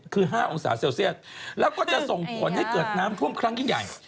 คือ๕องศาเซลเซียสแล้วก็จะส่งผลให้เกิดน้ำท่วมครั้งยิ่งใหญ่